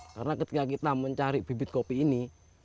karena ketika kita mencari bibit kopi ini